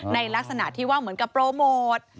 ในลักษณะที่ว่าเหมือนกับโปรโมท